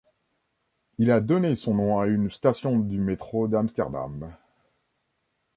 Il a donné son nom à une station du métro d'Amsterdam.